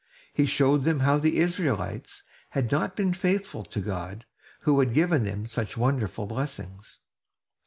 He showed them how the Israelites had not been faithful to God, who had given them such wonderful blessings.